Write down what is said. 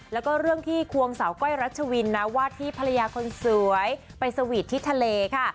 แล้วก็เรื่องที่ควงสาวก้อยรัชวินนะว่าที่ภรรยาคนสวยไปสวีทที่ทะเลค่ะ